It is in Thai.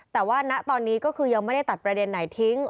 แต่ว่าณตอนนี้ก็คือยังไม่ได้ตัดประเด็นไหนทิ้ง